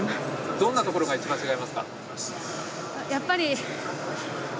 どんなところが一番違いますか。